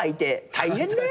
大変だよ。